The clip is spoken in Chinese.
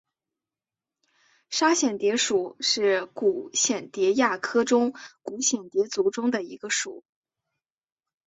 沙蚬蝶属是古蚬蝶亚科古蚬蝶族中的一个属。